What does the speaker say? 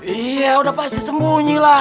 iya udah pasti sembunyilah